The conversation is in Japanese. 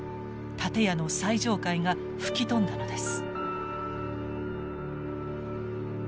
建屋の最上階が吹き飛んだのです。